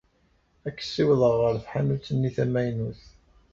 Ad k-ssiwḍeɣ ɣer tḥanut-nni tamaynut.